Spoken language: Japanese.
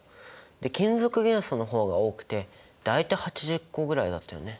金属元素の方が多くて大体８０個ぐらいだったよね。